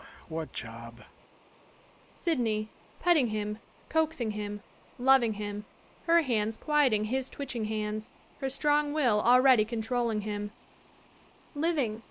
"] What job? SYDNEY ^Petting him, coaxing him, loving him, her hands quiet ing his twitching hands, her strong will already con trolling him,] Living.